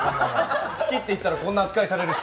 好きって言ったら、こんな扱いされる人。